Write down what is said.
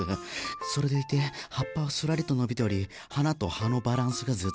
それでいて葉っぱはすらりと伸びており花と葉のバランスが絶妙。